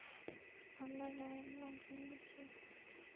আমরা লড়াইয়ে অংশ নিয়েছি।